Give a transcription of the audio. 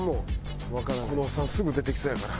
このオッサンすぐ出てきそうやから。